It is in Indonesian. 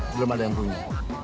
belum ada yang punya